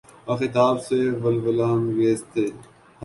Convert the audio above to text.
کا خطاب سب سے ولولہ انگیز تھا۔